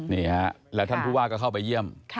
นี่ฮะแล้วท่านผู้ว่าก็เข้าไปเยี่ยม